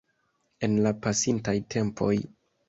En la pasintaj tempoj.